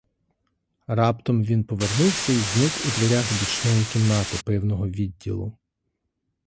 Раптом він повернувся й зник у дверях бічної кімнати пивного відділу.